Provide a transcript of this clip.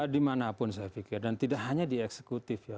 di mana pun saya pikir dan tidak hanya di eksekutif ya